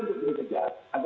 lembaga pemerintah dan swasta